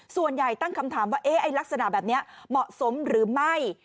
ส่วนใหญ่ตั้งคำถามว่าลักษณะแบบนี้เหมาะสมหรือไม่